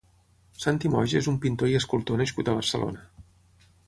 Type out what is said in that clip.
Santi Moix és un pintor i escultor nascut a Barcelona.